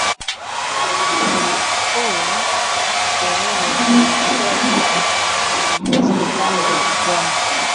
Ulikuwa sherehe ya kuvikwepa viazi tamu vya kuchoma